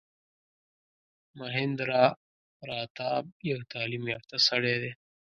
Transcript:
مهیندراپراتاپ یو تعلیم یافته سړی دی.